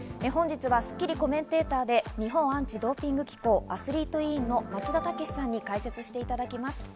本日は『スッキリ』コメンテーターで日本アンチ・ドーピング機構アスリート委員の松田丈志さんに解説していただきます。